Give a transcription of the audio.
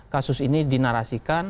kasus ini dinarasikan